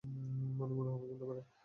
মানে, মনেহয় পছন্দ করে।